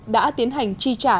đã tiến hành tri trả